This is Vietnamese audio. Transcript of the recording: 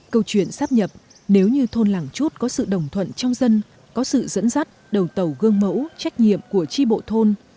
câu chuyện sắp nhập nếu như thôn làng chút có sự đồng thuận trong dân có sự dẫn dắt đầu tàu gương mẫu trách nhiệm của tri bộ thôn